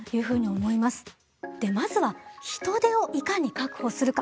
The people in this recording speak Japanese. まずは人手をいかに確保するか。